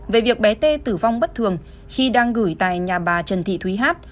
về việc bé tê tử vong bất thường khi đang gửi tại nhà bà trần thị thúy hát